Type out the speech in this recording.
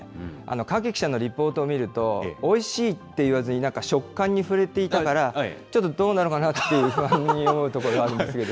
影記者のリポートを見ると、おいしいって言われずに、なんか食感に触れていたから、ちょっとどうなのかなと不安に思うところがあるんですけど。